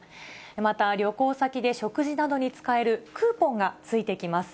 また、旅行先で食事などに使えるクーポンが付いてきます。